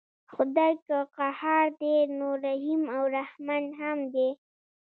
خدای که قهار دی نو رحیم او رحمن هم دی.